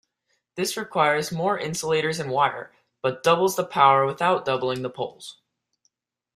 This requires more insulators and wire, but doubles the power without doubling the poles.